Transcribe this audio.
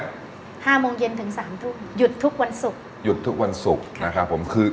แล้วพักสวนปุ่มตายทุกวันศูกร์